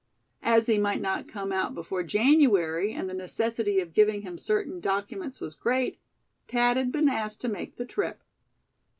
As he might not come out before January, and the necessity of giving him certain documents was great, Thad had been asked to make the trip.